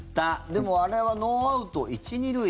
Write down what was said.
でも、あれはノーアウト１・２塁。